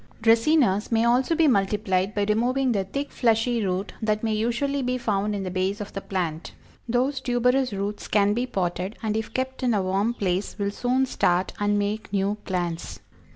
Dracænas may also be multiplied by removing the thick, fleshy root that may usually be found in the base of the plant. Those tuberous roots can be potted, and if kept in a warm place will soon start and make new plants.